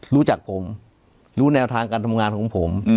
รู้จักผมรู้แนวทางการทำงานของผม